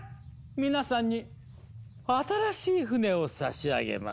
皆さんに新しい船を差し上げます。